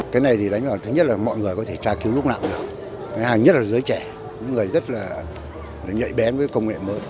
cái này thì đánh vào thứ nhất là mọi người có thể tra cứu lúc nào cũng được ngân hàng nhất là giới trẻ những người rất là nhạy bén với công nghệ mới